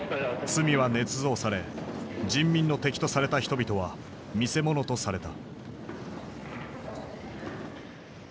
罪はねつ造され人民の敵とされた人々は見せ物とされた。